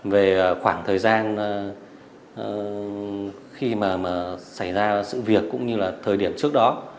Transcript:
về khoảng thời gian khi mà xảy ra sự việc cũng như là thời điểm trước đó